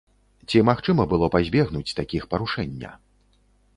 Ці магчыма было пазбегнуць такіх парушэння?